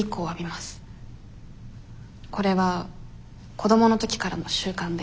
これは子どもの時からの習慣で。